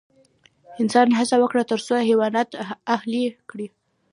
انسان هڅه وکړه تر څو حیوانات اهلي کړي.